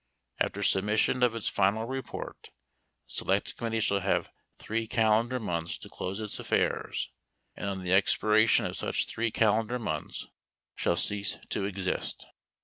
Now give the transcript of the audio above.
After submission of its 16 final report, the select committee shall have three calendar 17 months to close its affairs, and on the expiration of such 18 three calendar months shall cease to exist.